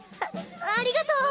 あありがとう。